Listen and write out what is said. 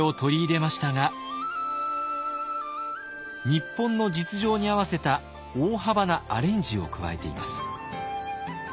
日本の実情に合わせた大幅なアレンジを加えています。